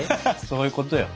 そういうことよ。